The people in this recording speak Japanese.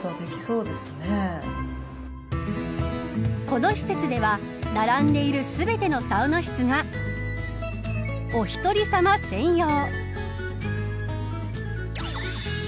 この施設では並んでいる全てのサウナ室がおひとりさま専用。